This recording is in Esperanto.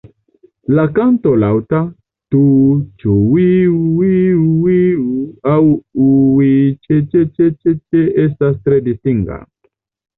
La kanto, laŭta "tuuuu-ĉŭiŭiŭiŭi" aŭ "ŭi-ĉeĉeĉeĉeĉe", estas tre distinga.